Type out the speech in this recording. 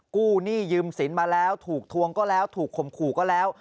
กู้หนี้ยืมสินมาแล้วถูกทวงก็แล้วถูกข่มขู่ก็แล้ว